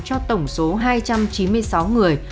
cho tổng số hai trăm chín mươi sáu người